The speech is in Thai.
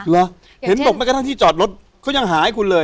เหรอเห็นบอกไม่กระทั่งที่จอดรถเขายังหาให้คุณเลย